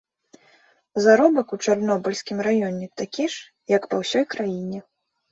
Заробак у чарнобыльскім раёне такі ж, як па ўсёй краіне.